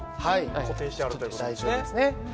固定してあるという事ですね。